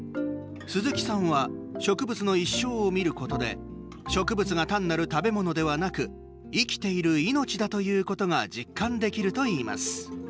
鈴木さんは植物の一生を見ることで植物が単なる食べ物ではなく生きている命だということが実感できるといいます。